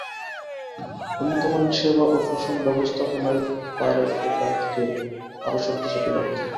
উন্নত মানের সেবা ও সুষম ব্যবস্থাপনাই পারে এ খাতকে আরও শক্তিশালী করতে।